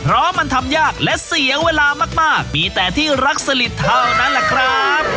เพราะมันทำยากและเสียเวลามากมีแต่ที่รักสลิดเท่านั้นแหละครับ